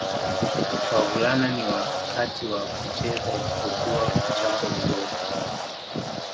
Wavulana ni wakati wa kucheza isipokuwa kuchapwa viboko